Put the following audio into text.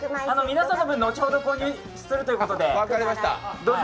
皆さんの分後ほど購入するということで。